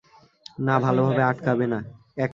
না, ভালোভাবে আটকাবে না।